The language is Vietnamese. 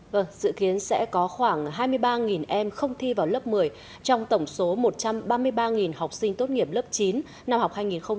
vâng dự kiến sẽ có khoảng hai mươi ba em không thi vào lớp một mươi trong tổng số một trăm ba mươi ba học sinh tốt nghiệp lớp chín năm học hai nghìn hai mươi hai nghìn hai mươi